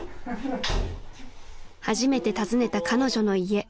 ［初めて訪ねた彼女の家］